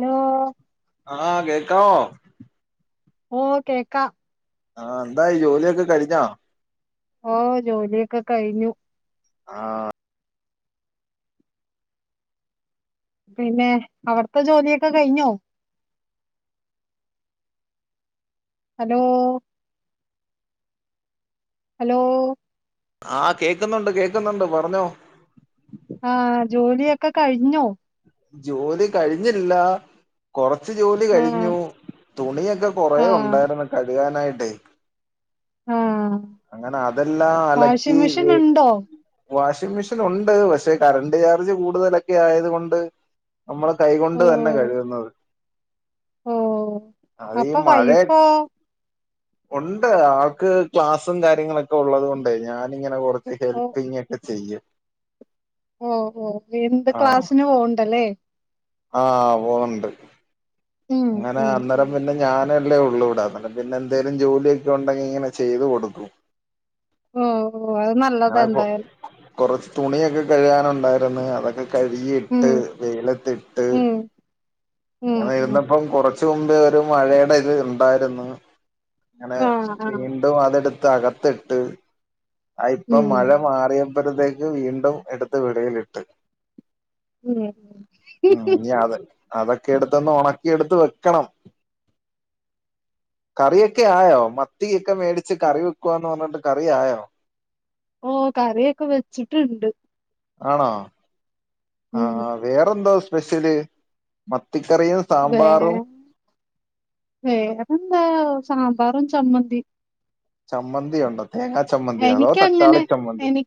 Hello ആ കേക്കാവോ ഓ കേക്കാം ആ എന്തായി ജോലിയൊക്കെ കഴിഞ്ഞോ ഓ ജോലിയൊക്കെ കഴിഞ്ഞു ആ പിന്നെ അവിടത്തെ ജോലിയൊക്കെ കഴിഞ്ഞോ ഹലോ ഹലോ ആ കേക്കുന്നൊണ്ട് കേക്കുന്നൊണ്ട് പറഞ്ഞോ ആഹ് ജോലിയൊക്കെ കഴിഞ്ഞോ ജോലി കഴിഞ്ഞില്ല കൊറച്ചു ജോലി ആ കഴിഞ്ഞു തുണിയൊക്കെ കൊറേ ആ ഉണ്ടായിരുന്നു കഴുകാനായിട്ടെ ആഹ് അങ്ങനെ അതെല്ലാം അലക്കി വെ ഉണ്ടോ വാഷിംങ്ങ് മെഷീൻ ഒണ്ട് പക്ഷെ കറണ്ട് ചാർജ് കൂടുതലൊക്കെ ആയത് കൊണ്ട് നമ്മള് ഓ കൈകൊണ്ട് തന്നെ കഴുകുന്നത് ഓ അത് ഈ അപ്പൊ മഴേ വൈഫോ ഒണ്ട് ആൾക്ക് ക്ലാസ്സും കാര്യങ്ങളൊക്കെ ഉള്ളത് കൊണ്ടേ ഞാനിങ്ങനെ കൊറച് ച്ച് ഓ ഹെൽപ്പിങ്ങൊക്കെ ചെയ്യും ഓഹ് ഓഹ് എന്ത് ആഹ് ക്ലാസ്സിന് പോണ്ടല്ലേ ആഹ് പോണൊണ്ട് ഉം അങ്ങനെ ഉം ഉം അന്നേരം പിന്നെ ഞാന് ഹെൽ ല്ലേ ഉള്ളൂടാന്നേരം പിന്നെ എന്തേലും ജോലിയൊക്കെ ഉണ്ടെങ്കി ഇങ്ങനെ ചെയ്തു കൊടുക്കും ഓഹ് ഓഹ് അത് നല്ലത അങ്ങനെ കൊ എന്തായാലും കൊറച്ച് തുണിയൊക്കെ കഴുകാനുണ്ടായിരുന്നു അതൊക്കെ ഉം കഴുകിട്ട് വെയ്ലത്തിട്ട് ഉം ഉം ഉം അങ്ങനെയിരുന്നപ് പ്പം കുറച്ച് മുമ്പേ ഒരു മഴേട ഇത് ഉണ്ടാരുന്നു അങ്ങനെ ആ ആ വീ ണ്ടും അതടുത്ത് അകത്തിട്ട് ഇപ്പ ഉം മഴ മാറിയ പ്പഴത്തേക്ക് വീണ്ടും എടുത്ത് വെളിയിലിട്ട് ഉം ആഹ് അതെ അതൊക്കെ എടുത്ത് ഒന്ന്‌ ഉണക് ക്കി എടുത്ത് വെയ്ക്കണം കറിയൊക്കെ ആയോ മ- ത്തിക്കെ മേടിച്ച് കറി വെക്കുവാന്ന് പറഞ്ഞിട്ട് കറിയായോ ഓ കറിയൊക്കെ വെച്ചിട്ടുണ്ട് ആണോ ഉം ആഹ് വേറെന്തോ സ്പെഷ്യല് മത്തിക്കറിയും വേ സാമ്പാറും വേറെന്താ സാമ്പാറും ചമ്മന്തിയും ചമ്മന്തി ഉണ്ടോ തേങ്ങാ ചമ്മന്തി അതോ എനിക്കങ്ങനെ തക്കാളി ചമ്മന്തിയൊ എനി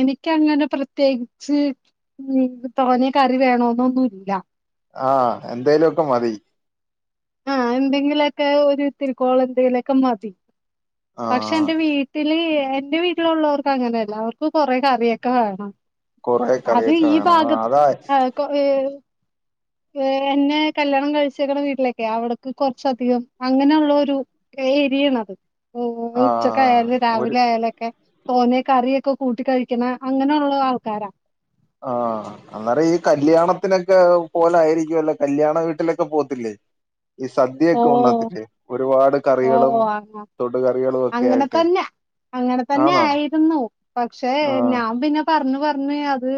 എനിക്കങ്ങനെ പ്രത്യേകിച്ച് തോന്നിയ കറി വേണോന്നൊന്നുമില്ല ആഹ് എന്തേലുമൊക്കെ മതി ആഹ് എന്തെങ്കിലുമൊക്കെ ഒരു ഇതിരിക്കോളും എന്തെങ്കിലൊക്കെ മതി ആ പക്ഷെ എന്റെ വീട് ട്ടില് എന്റെ വീട്ടിലുള്ളവർക്ക് അങ്ങനെയല്ല അവർക്ക് കുറെേ കറിയൊക്കെ വേണം. കുറേ കറിയൊക്കെ വേണം ആഹ് അതായി കൊറേ ഏഹ് എന്നെ കല്യാണം കഴിച്ചേക്കണ വീട്ടിലേക്കെ അവിടക്ക് കുറച്ച അധികം അങ്ങനെയുള്ള ഒരു ക്കെ എരിയണം ആ ഉച്ചക്കായാലും ഒരു രാവിലെ ആയാലൊക്കെ തോനെ കറിയൊക്കെ കൂട്ടി കഴിക്കണ അങ്ങനെയുള്ള ആൾക്കാരാ ആഹ് അന്നേരംഈ കല്യാണത്തിനൊക്കെ പോലെ ആയിരിക്കുമല്ലോ കല്യാണ വീട്ടിലൊക്കെ പോത്തില്ലേ ഈ സദ്യയൊക്കെ ഓഹ് ഉണ്ണത്തില്ലേ ഒരുപാട് കറികളും ഓഹ് അങ്ങ തൊടു കറികളും ഒക്കെ അങ്ങനെ ആയിട്ട് തന്നെ അങ്ങനെ തന്നെ ആണോ ആയിരുന്നു പക്ഷെ ആ ഞാൻ പിന്നെ പറഞ്ഞ് പറഞ്ഞ് അത്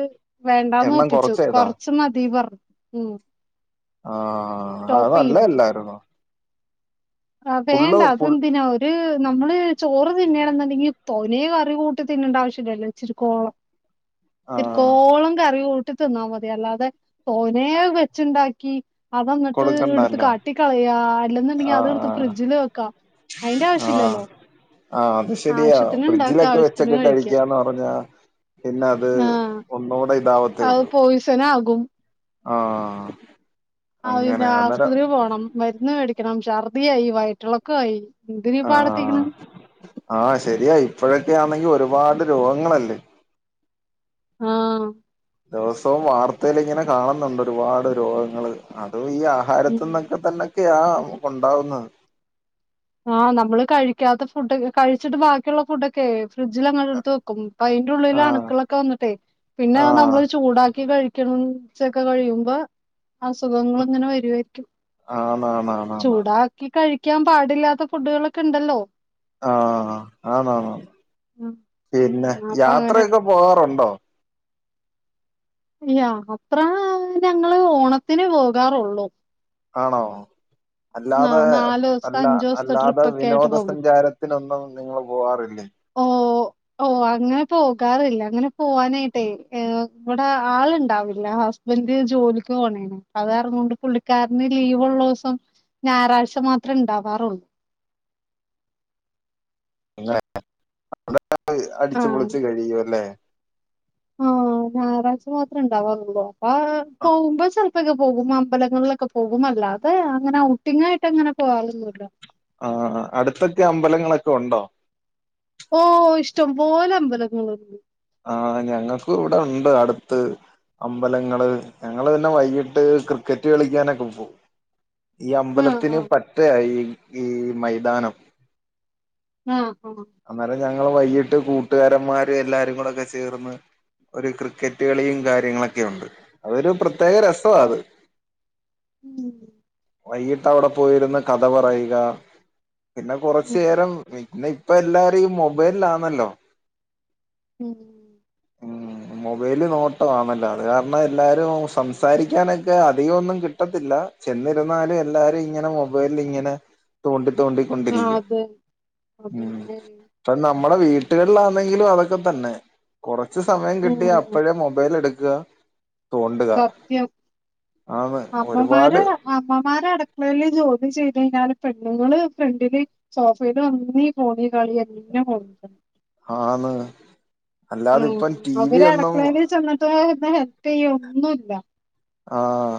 വേണ്ടാന്ന് എണ്ണം ഒപ്പിച്ചു കൊറച്ചേതാ കുറച്ചു മതി വറുത്തു ആഹ് അത് ചെയ്യിപ്പിച്ചു. നല്ലതല്ലായിരുന്നൊ ആഹ് വേണ്ട ഫുൾ അതന്തിനാ ഒര് ഒര് നമ്മള് ചോറ് തിന്നേണം എന്നുണ്ടെങ്കിൽ തോനെ കറി കൂട്ട് തിന്നേണ്ട ആവശ്യമില്ലല്ലോ ഇച്ചിരി കോളം [inaudible] ഇത്തിരിക്കോളം കറി കൂട്ടി തിന്നാൽ മതി അല്ലാതെ തോനെ വെച്ചുണ്ടാക്കി അത് എന്നട്ട് എടുത്ത് കൊടുക്കണ്ടല്ലോ കാട്ടികളയാ അല്ലെന്നുണ്ടെങ്കി അത് എടുത്ത് ആഹ് ഫ്രിഡ്ജില് വെക്കാ അയ്ന്റെ ആഹ് ആഹ് ആവശ്യല്ലല്ലോ ആഹ് അത് ശെരിയാ ആവശ്യത്തിന് ഇണ്ടാക്ക ഫ്രിഡ്ജിലൊക്കെ ആവശ്യത്തിന് വെച്ചൊക്കെ കഴിക്ക കഴിക്കാന്ന് പറഞ്ഞാ പിന്നെ അത് ആഹ് ഒന്നൂടെ ഇതാവത്തേ അത് ഉള്ളൂ പോയിസനാകും ആഹ് ആഹ് പിന്നെ അങ്ങനെ അന്നേരം ആശുപത്രി പോണം മരുന്ന് മേടിക്കണം ഛർദ്ദിയായി വയറ്റുളക്കമായി എന്തിനാ ആഹ് പാടത്തിക്കണ് ആഹ് ശരിയാ ഇപ്പോഴൊക്കെയാണെങ്കി ഒരുപാട് രോഗങ്ങളല്ലേ ആഹ് ദിവസവും വാർത്തയിൽ ഇങ്ങനെ കാണുന്നുണ്ട് ഒരുപാട് രോഗങ്ങൾ അതും ഈ ഉം ആഹാരത്തിന്നൊ ക്കെ തന്നൊക്കെയാ ഉണ്ടാവുന്നത് ആഹ് നമ്മൾ കഴിക്കാത്ത ഫുഡൊക്കെ കഴിച്ചിട്ട് ബാക്കിയുള്ള ഫുഡൊക്കെ ഫ്രിഡ്ജിൽ അങ്ങട്ട് എടുത്ത് വെയ്ക്കും അപ്പ അയ്ന്റെ ഉള്ളിലെ ആഹ് അണുക്കളൊക്കെ വന്നിട്ടെ പിന്നെണ് ആഹ് നമ്മൾ ചൂടാക്കി കഴിക്കണ കഴിച്ചൊക്കെ കഴിയുമ്പോ അസുഖങ്ങൾ ഇങ്ങനെ വരുവായിരിക്കും. ആന്ന് ആന്നാ ആന്നാ ആഹ് ഇ കഴിക്കാൻ പാടില്ലാത്ത ഫുഡുകളൊക്കെണ്ടല്ലോ ആഹ് ആണാണോ ഉം പിന്നെ ഉം അപ്പൊ അങ്ങനെ യാത്രയൊക്കെ പോവാറുണ്ടോ യാത്ര ഞങ്ങള് ഓണത്തിന് പോകാറൊള്ളൂ ആണോ നാ അല്ലാതെ നാല് ദിവസത്തെ അല്ല അഞ്ചു ദിവസത്തെ അല്ലാതെ ട്രിപ്പൊക്കെ ആയിട്ട് വിനോദ പോകും സഞ്ചാരത്തിനൊന്നും നിങ്ങൾ പോവാറില്ലേ ഓഹ് ഓഹ് അങ്ങനെ പോകാറില്ല അങ്ങനെ പോവാനായിട്ടേ എഹ് വ ട്ടാ ആൾ ണ്ടാവില്ല ഹസ്ബന്റ് ജോലിക്ക് പോണേ അത് കാരണംകൊണ്ട് പുള്ളിക്കാരന് ലീവ് ഉള്ളസം ഞായറാഴ്ച മാത്രം ണ്ടാവാറുള്ളൂ അങ്ങനെ അവിടെ അടിച്ചുപൊളിച്ചു കഴിയുല്ലേ ആഹ് ഞായറാഴ്ച മാത്ര ഉണ്ടാവാറുള്ളൂ ആഹ് ആ പോക്പോ ചെലപ്പോക്കെ പോകും അമ്പലങ്ങളിലൊക്കെ പോവുമല്ലാതെ അങ്ങനെഔട്ടിങ്ങായിട്ട് അങ്ങനെ പോവലില്ലല്ലോ ആഹ് അഹ് അടുത്തൊക്കെ അമ്പലങ്ങളൊക്കെ ഉണ്ടോ ഓഹ് ഇഷ്ടം പോലെ അമ്പലങ്ങളുണ്ട് ആഹ് ഞങ്ങക്ക് ഇവിടെ ഉണ്ട് അടുത്ത് അമ്പലങ്ങള് ഞങ്ങള് തന്നെ വൈകിട്ട് ക്രിക്കറ്റ് കളിക്കാനൊക്കെ പോ ഈ ആഹ് അമ്പലത്തിന് ആഹ് പറ്റ ഈ ഈ മൈതാനം ആഹ് ആഹ് അന്നേരം ഞങ്ങള് വൈകിട്ട് കൂട്ടുകാരന്മാര് എല്ലാരും കൂടെക്കെ ചേർന്ന് ഒരു ക്രിക്കറ്റ് കളിയും കാര്യങ്ങളൊക്കെ ഉണ്ട് അതൊരു പ്രത്യേക രസമാ ആഹ് അത് ഉം വൈകിട്ട് അവിടെ പോയിര്ന്ന് കഥ പറയുക പിന്നെ ഉം കുറച്ചേരം മിന്നപ്പൊ എല്ലാരും ഈ മൊബൈലാന്നല്ലോ ഉം ഉം മൊബൈല് നോട്ട് വാണല്ലോ അത് കാരണം എല്ലാരും സംസാരിക്കാനൊക്കെ അധികന്നും കിട്ടത്തില്ല ചെന്നിരുന്നാലും എല്ലാരും ഇങ്ങനെ മൊബൈലി ഇങ്ങനെ തോണ്ടി ആഹ് തോണ്ടിക്കൊണ്ടിരിക്കും അതെ ഉം അതന്നെ പ നമ്മുടെ വീട്ടുകളിലാണെങ്കിലും അതൊക്കെ തന്നെ കുറച് സമയം കിട്ടി ഉം അപ്പഴേ മൊബൈൽ എടുക്ക സത്യം ആന്ന് ഒരുപാട് അമ്മമാരാ അമ്മമാരു അടുക്കളയില് ജോലി ചെയ്ത് കഴിഞ്ഞാല് പെണ്ണുങ്ങള് ഫ്രണ്ടില് സോഫയിലും അന്നീ ഫോണീ കളി എല്ലാം [unintelligible] ആന്ന് അല്ലാതെ ഇപ്പം ടി ഉം വി അവര് ഒന്നും അടുക്കളയിൽ ചെന്നിട്ട് ഒന്ന് ഹെൽപ് ചെയ്യും ഒന്നും ഇല്ല ആഹ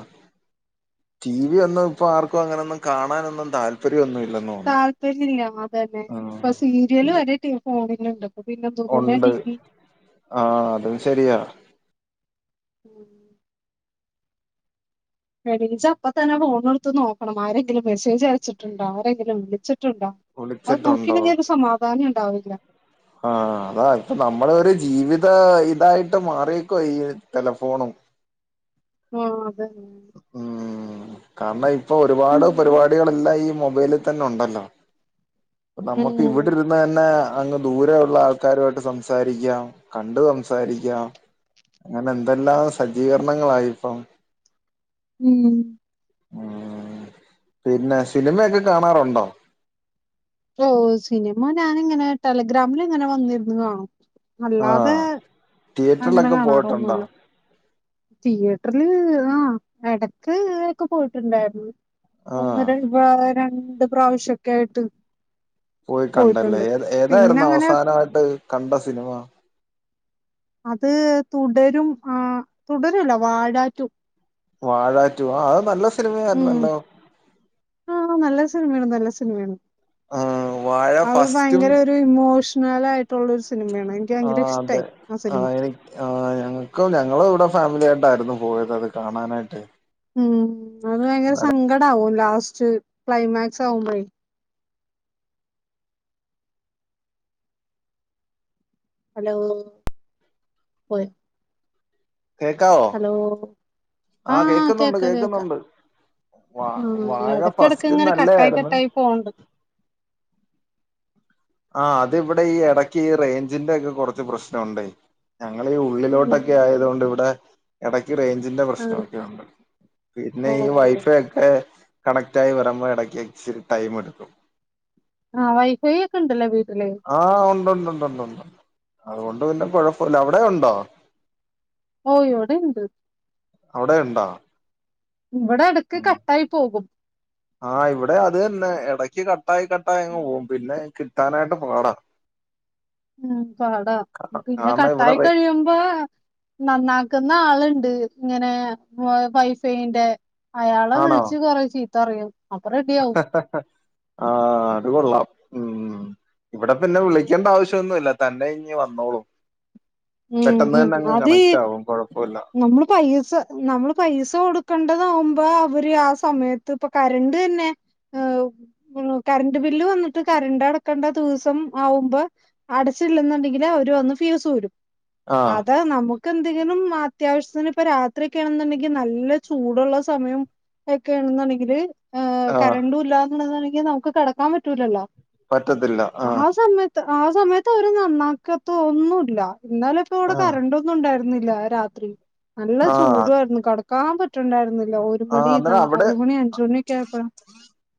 ടി വി ഒന്നും ഇപ്പൊ ആർക്കും അങ്ങനൊന്നും കാണാനൊന്നും താല്പര്യ ചെടിയൊന്നുമില്ലന്നോ താല്പര്യംമില്ല അത് തന്നെ ഇപ്പൊ സീരിയല് ഇത് വരെ ടി ഫോണിലുണ്ട് പ്പ പിന്നെ എന്തോന്നെ ടി വി ആഹ അതും ശരിയാ എണീച്ച അപ്പ തന്നെ ഫോണ എടുത്ത് നോക്കണം ആരെങ്കിലും മെസ്സേജ് അയച്ചിട്ടുണ്ടോ ആരെങ്കിലും വിളിച്ചിട്ടുണ്ടോ? അത് വിളിച്ചിട്ടുണ്ടോ നോക്കില്ലങ്കിൽ ഒരു സമാധാനം ഉണ്ടാവില്ല ആഹ അതാ ഇപ്പൊ നമ്മളെ ഒരു ജീവിത ഇതായിട്ട് മാറക്കോ ഈ ഒരു ടെലഫോണും ആഹ അതെനെ ഉം കാരണം ഇപ്പൊ ഒരുപാട് ഉം പരിപാടികൾെല്ലാം ഈ മൊബൈലിൽ തന്നെ ഉണ്ടല്ലോ ഉം നമ്മക്ക് ഇവിടെ ഇരു അന്ന് തന്നെ അങ്ങ് ദൂരെ ഉള്ള ആൾക്കാരുമായിട്ട് സംസാരിക്കാം കണ്ട് സംസാരിക്കാം അങ്ങനെ എന്തെല്ലാം സജ്ജീകരണങ്ങളായി ഇപ്പം ഉം ഉ പിന്നെ സിനിമയൊക്കെ കാണാറുണ്ടോ? ഓ് സിനിമ ഞാാനിങ്ങനെ ടെലഗ്രാമിൽ ഇങ്ങനെ വന്നിരുന്നു കാണും അല്ലാതെ ആഹ് അങ്ങനെ തിയേറ്ററിലൊക്കെ പോയിട്ടുണ്ടോ കാണാറൊന്നുല്ല തിയേറ്ററില് ആ എടക്ക് ഒക്കെ പോയിട്ടുണ്ടായിരുന്നു ഒന്ന് ആഹ് ര രണ്ട് പ്രാവിശ്യക്കെആയിട്ട് പോയി കണ്ടല്ലേ ഏത് ഏതായിരുന്നു പിന്നങ്ങനെ അവസാനമായിട്ട് കണ്ട സിനിമ അത് തുടരും ആ തുടരുല്ല വാഴാറ്റു വാഴാറ്റു ആ അത് നല്ല സിനിമ ആയിരുന്നല്ലോ. ആഹ നല്ല സിനിമയാണ് നല്ല സിനിമയാണ് ആ വാഴ അത് ഫസ്റ്റും ഭയങ്കര ഒരു ഇമോഷണൽ ആായിട്ടുള്ള ഒരു സിനിമയാണ്. ആ ഭയങ്കര അതെ ഇഷ്ടായി ആ സിനിമ. എനിക്ക്. ആഹ ഞങ്ങൾക്കും ഞങ്ങൾ ഇവിടെ ഫാമിലി ആായിട്ടായിരുന്നു പോയത് അത് കാണാനായിട്ട്. ഉം അത് ഭയങ്കര അന്നേരം സങ്കടമാവും ലാസ്റ്റ് ക്ലൈമാക്സ് ആകുമ്പഴേ. ഹലോ പോയോ. കേക്കാവോ ആഹ ആഹ് കേക്കുന്നുണ്ട് കേക്ക കേക്ക കേക്കുന്നുണ്ട്. വാ ഉം വാഴ എടക്കെടക്ക് ഫസ്റ്റ് ഇങ്ങനെ കട്ടായി നല്ലായിരുന്നു. കട്ടായി പോണ്ട് ആഹ അത് ഇവിടെ ഈ എടക്ക് ഈ റേഞ്ചിന്റെ ഒക്കെ കുറച്ച് പ്രശ്നമുണ്ടേ. ഞങ്ങള് ഈ ഉം ഉള്ളിലോട്ടൊക്കെ ആയതുകൊണ്ട് ഇവിടെ. ഇടയ്ക്ക് റേഞ്ചിന്റെ ആഹ് പ്രശ്നമൊക്കെ ഉണ്ട് പിന്നെ ഓ ഈ വൈഫൈ ഒക്കെ. കണക്റ്റായി വരുമ്പോൾ ഇടയ്ക്ക് ഇച്ചിരി ടൈം എടുക്കും. ആഹ വൈഫൈ ഒക്കെ ഇണ്ടല്ലേ വീട്ടില്. ആഹ് ഉണ്ട് ഉണ്ട് ഉണ്ട് ഉണ്ട് ഉണ്ട് അതുകൊണ്ട് പിന്നെ കുഴപ്പമില്ല അവിടെ ഉണ്ടോ. ഓ ഇവിടെ ഉണ്ട്. അവിടെ ഉണ്ടോ. ഇവിടെ എടുക്ക് കട്ടായി പോകും. ആഹ് ഇവിടെ അത് തന്നെ ഇടക്ക് കട്ടായി കട്ടായി അങ്ങ് പോകും ഉം പിന്നെ കിട്ടാനായിട്ട് പാടാ. ഉം പാടാ പിന്നെ കാരണം ഇവിടെ കട്ടായി റേ കഴിയുമ്പോ. നന്നാക്കുന്ന ആളുണ്ട് ഇങ്ങനെ വൈഫൈന്റെ. അയാളെ ആണോ വിളിച്ച് കൊറേ ചീത്ത പറയും അപ്പൊ റെഡി ആവും. ആഹ അത് കൊൊള്ളാം ഉ. ഇവിടെ പിന്നെ വിളിക്കേണ്ട ആവശ്യം ഒന്നുമില്ല തന്നെ ഇഞ്ഞ് വന്നോളൂ. ഉം പെട്ടെന്ന് ഉം തന്നെ അങ്ങ് അത് ഈ കണക്ട് ആകും കൊഴപ്പമില്ല. നമ്മള് പൈസ നമ്മള് പൈസ കൊടുക്കേണ്ടത് ആകു ബോ അവര് ആ സമയത്ത് ഇപ്പ കരണ്ട് തന്നെ. [unintelligible] [unintelligible] കറണ്ട് ബില്ല് വന്നിട്ട് കറണ്ട് അടക്കണ്ട ദിവസം ആവുമ്പോ. അടച്ചില്ലെന്നണ്ടെങ്കില് അവര് വന്ന് ഫീസ് ഊരും ആഹ് അത് നമുക്ക്. എന്തെങ്കിലും അത്യാവശ്യത്തിന് ഇപ്പ രാത്രിയൊക്കെ ആണെന്നുണ്ടെങ്കിൽ നല്ല ചൂടുള്ള സമയം. ഒക്കെയ ആണെന്നാണെങ്കില്. ആഹ് കരണ്ടും ഇല്ലന്ന് ഉള്ളതാണെങ്കിൽ നമുക്ക് കിടക്കാൻ പറ്റൂലല്ലോ പറ്റത്തില്ല ആ ആഹ് സമയത്ത്. ആ സമയത്ത് അവര് നന്നാക്കാത്തോ ഒന്നില്ല എന്നാൽ ഇപ്പ ഇവിടെ ആഹ് കരണ്ട. ണ്ടായിരുന്നില്ല രാത്രി നല്ല ആഹ് ചൂടുായിരുന്നു കിടക്കാൻ പറ്റണ്ടായിരുന്നില്ല ഒരു. നാല് മണി അന്നേരം അല്മണി അഞ്ച് മണിയൊക്കെ ആയപ്പഴ.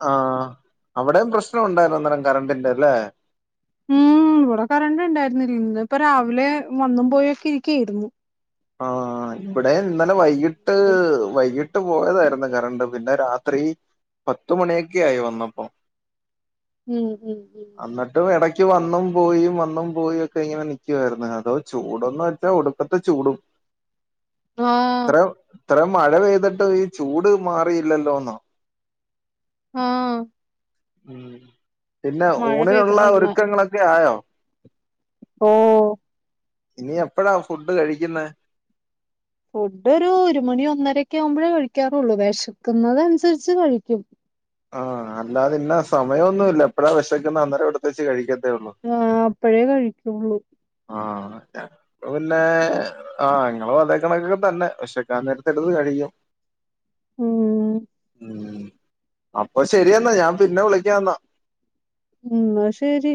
ആഹ അവിടെയും പ്രശ്നം ഉണ്ടായിരുന്നു അന്നരം കറണ്ടിന്റെ അല്ലേ. ഉം ഇവിടെ കറണ്ടിണ്ടായിരുന്നില്ല ഇന്ന് ഇപ്പൊ രാവിലെ വന്നും പോയൊക്കെ ഇരിക്കായിരുന്നു. ആ ഇവിടെ ഇന്നലെ വൈകിട്ട് വൈകിട്ട്. പോയതായിരുന്നു കറണ്ട് പിന്നെ രാത്രി പത്ത് മണിയൊക്കെ ആയി വന്നപ്പോ. ഉം ഉം. ഉം എന്നിട്ടും ഇടക്ക് വന്നും പോയി വന്നും പോയി ഒക്കെ ഇങ്ങനെ നൽക്കുവായിരുന്നു അതോ ചൂടൊന്നും. ഒടുക്കത്തെ ചൂടും. ആഹ. ഇത്ര ഇത്ര മഴ പെയ്തിട്ട് ഈ ചൂട് മാറിയില്ലല്ലോ എന്ന. ആഹ. പിന്നെ മഴ പെയ്ത ഊണിനുള്ള ഇന്ന് ഒരുക്കങ്ങളൊക്കെ ആയോ. ഓ. ഇനി എപ്പഴാ ഫുഡ് കഴിക്കുന്ന. ഫുഡ് ഒരു മണി ഒന്നരക്കെ ആകുമ്പോഴേ കഴിക്കാറുള്ളൂ വിശക്കുന്നത അനുസരിച്ച് കഴിക്കും. ആ അല്ലാതെ ഇന്ന സമയൊന്നുല്ല എപ്പഴാ വിശക്കുന്ന അന്നേരം എടുത്തേ ച്ച് കഴിക്കത്തേള്ളൂ ആ അപ്പഴേ കഴിയ്ക്കുള്ളൂ ആണ് ന്നെ ങ്ങളുവതേ കണക്കൊക്കെ തന്നെവെശക്കാനേരത്തെടുത്ത് കഴിക്കും ഉം ഉഹ്‌ അപ്പൊ ശരിയെന്നാ ഞാൻ പിന്നെ വിളിയ്ക്കാന്നാ ഉം ഹ്‌ ന്നാ ശരി